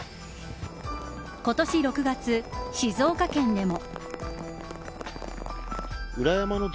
今年６月、静岡県でも。